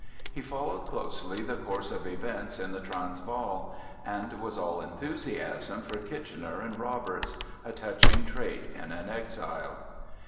He followed closely the course of events in the Transvaal, and was all enthusiasm for Kitchener and Roberts, a touching trait in an exile.